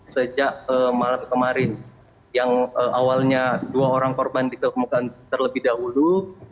sejak malam kemarin yang awalnya dua orang korban ditemukan terlebih dahulu